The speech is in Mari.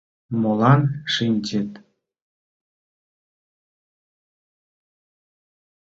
Молат шинчыт.